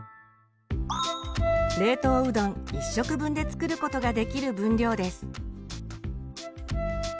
冷凍うどん１食分で作ることができる分量です。